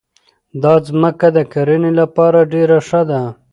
دا ځمکه د کرنې لپاره ډېره ښه ده.